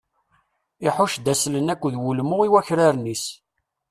Iḥucc-d aslen akked wulmu i wakraren-is.